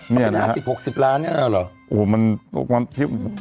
๑๕๐เปอร์เต็มคุณคุณแหละนะครับมันเป็น๕๐๖๐ล้านเนี่ยหรอ